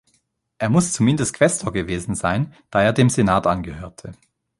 Er muss zumindest Quästor gewesen sein, da er dem Senat angehörte.